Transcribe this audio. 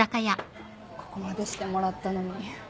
ここまでしてもらったのに。